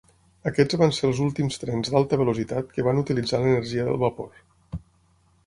Aquests van ser els últims trens d'"alta velocitat" que van utilitzar l'energia del vapor.